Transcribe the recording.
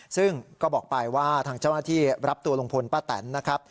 ซึ่งก็บอกไปว่าทางเจ้าหน้าที่รับตัวลุงพลป้าแตนนะครับ